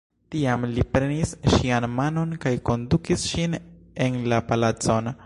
Tiam li prenis ŝian manon kaj kondukis ŝin en la palacon.